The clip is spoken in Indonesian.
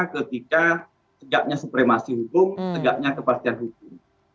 ketika tegaknya supremasi hukum tegaknya kepastian hukum